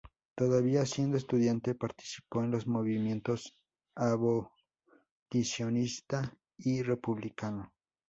Todavía siendo estudiante participó en los movimientos abolicionista y republicano.